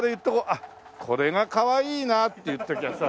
「あっこれがかわいいな」って言っときゃさ。